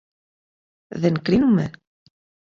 Δεν κρίνουμε;